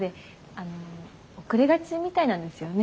あの遅れがちみたいなんですよね